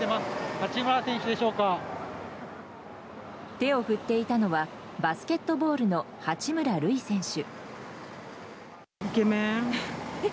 手を振っていたのはバスケットボールの八村塁選手。